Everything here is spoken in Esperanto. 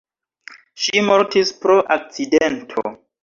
Ŝi mortis pro akcidento.